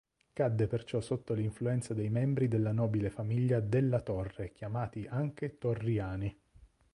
Cadde perciò sotto l'influenza dei membri della nobile famiglia Della Torre chiamati anche Torriani.